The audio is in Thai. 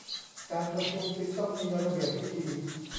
การประชุมจึงต้องมีระเบียบวิธี